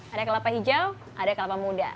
ada kelapa hijau ada kelapa muda